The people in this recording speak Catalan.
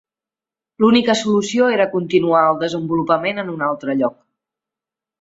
L'única solució era continuar el desenvolupament en un altre lloc.